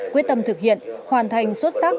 quyết tâm thực hiện hoàn thành xuất sắc